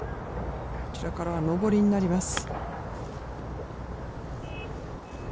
こちらからは、上りになります。